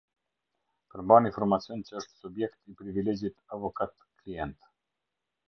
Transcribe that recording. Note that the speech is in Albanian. Përmban informacion që është subjekt i privilegjit avokat-klient.